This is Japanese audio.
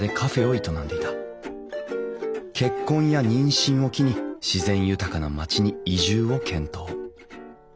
結婚や妊娠を機に自然豊かな町に移住を検討。